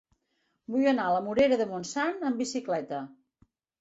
Vull anar a la Morera de Montsant amb bicicleta.